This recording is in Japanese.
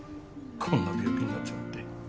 こんな病気になっちまって。